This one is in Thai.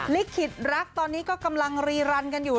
ลิขิตรักตอนนี้ก็กำลังรีรันกันอยู่